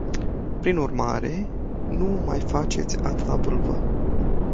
Prin urmare, nu mai faceți atâta vâlvă.